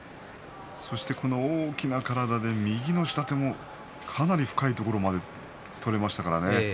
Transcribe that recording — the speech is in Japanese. そして大きな体で右の下手もかなり深いところまで取れましたからね。